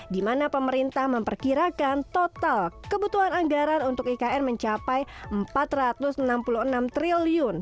di mana pemerintah memperkirakan total kebutuhan anggaran untuk ikn mencapai rp empat ratus enam puluh enam triliun